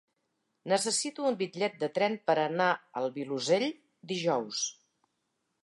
Necessito un bitllet de tren per anar al Vilosell dijous.